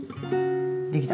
できた。